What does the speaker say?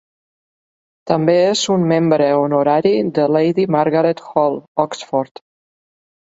També és un membre honorari de Lady Margaret Hall, Oxford.